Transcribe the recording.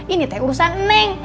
ini teh urusan neng